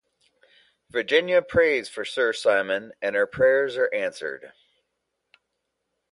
Virginia prays for Sir Simon, and her prayers are answered.